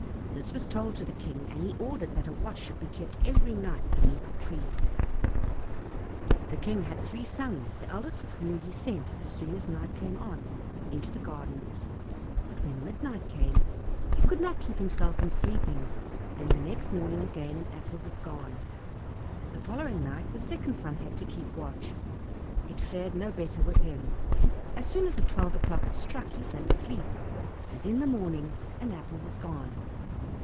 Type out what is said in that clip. This was told to the King, and he ordered that a watch should be kept every night beneath the tree. The King had three sons, the eldest of whom he sent, as soon as night came on, into the garden; but when midnight came he could not keep himself from sleeping, and next morning again an apple was gone. The following night the second son had to keep watch, it fared no better with him; as soon as twelve o'clock had struck he fell asleep, and in the morning an apple was gone.